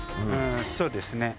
そうですね。